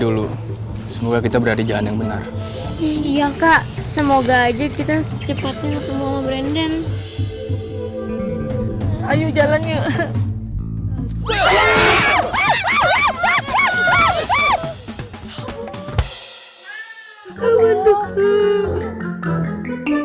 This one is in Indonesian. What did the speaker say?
dulu semoga kita berhargaan yang benar iya kak semoga aja kita cepetnya semua branden